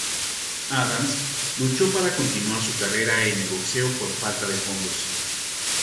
Adams luchó para continuar su carrera en el boxeo por falta de fondos.